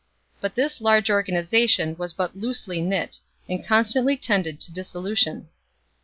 But this large organization was but loosely knit, and constantly tended to dissolution.